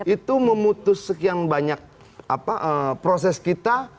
itu memutus sekian banyak proses kita